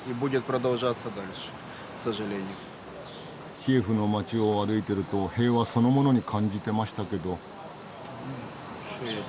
キエフの街を歩いてると平和そのものに感じてましたけど。